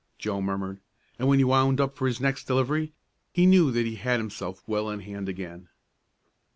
Joe murmured, and when he wound up for his next delivery he knew that he had himself well in hand again.